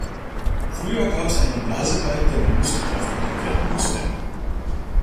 Früher gab es einen Blasebalg, der mit Muskelkraft bedient werden musste.